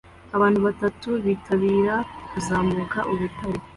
Abantu batatu bitabira kuzamuka urutare